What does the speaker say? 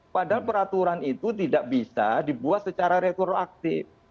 padahal peraturan itu tidak bisa dibuat secara retroaktif